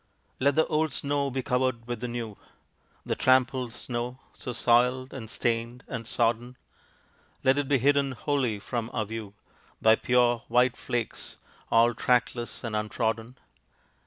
Let the old snow be covered with the new: The trampled snow, so soiled, and stained, and sodden. Let it be hidden wholly from our view By pure white flakes, all trackless and untrodden.